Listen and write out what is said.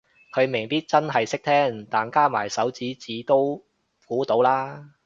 佢未必真係識聽但加埋手指指都估到啦